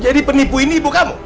jadi penipu ini ibu kamu